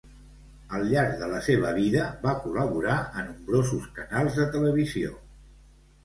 Al llarg de la seva vida va col·laborar a nombrosos canals de televisió.